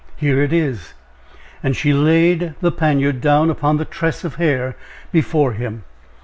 Here it is." And she laid the poniard down upon the tress of hair before him.